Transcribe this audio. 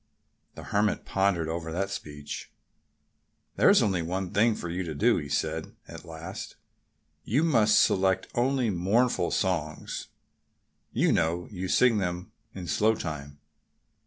The Hermit pondered over that speech. "There's only one thing for you to do," he said at last. "You must select only mournful songs.... You know you sing them in slow time."